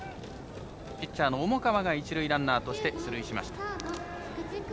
ピッチャーの重川が一塁ランナーとして出塁しました。